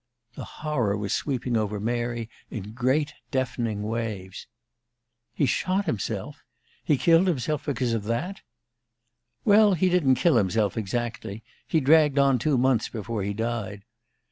The horror was sweeping over Mary in great, deafening waves. "He shot himself? He killed himself because of that?" "Well, he didn't kill himself, exactly. He dragged on two months before he died."